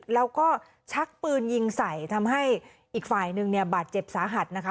แล้วก็ชักปืนยิงใส่ทำให้อีกฝ่ายนึงเนี่ยบาดเจ็บสาหัสนะคะ